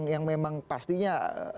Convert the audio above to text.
yang memang pastinya